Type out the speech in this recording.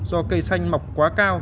do cây xanh mọc quá cao